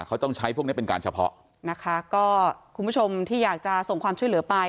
เขาต้องใช้พวกนี้เป็นการเฉพาะนะคะก็คุณผู้ชมที่อยากจะส่งความช่วยเหลือไป